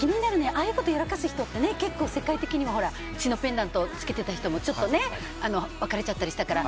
ああいうことやらかす人って世界的に血のペンダントをつけていた人も別れちゃったりしたから。